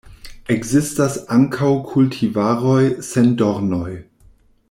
Ekzistas ankaŭ kultivaroj sen dornoj.